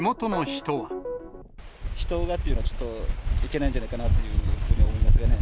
人がっていうのは、ちょっといけないんじゃないかなっていうふうに思いますがね。